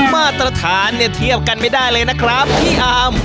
มาตรฐานเนี่ยเทียบกันไม่ได้เลยนะครับพี่อาร์ม